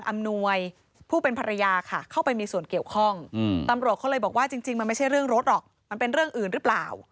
มันเป็นเรื่องอื่นหรือเปล่า